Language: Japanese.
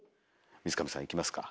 水上さんいきますか。